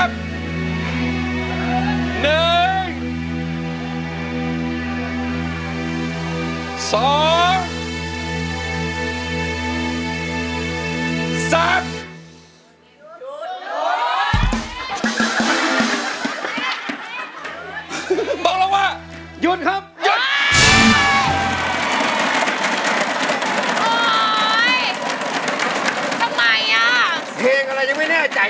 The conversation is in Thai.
มีตัวช่วย๓ตัวช่วยอ่ะ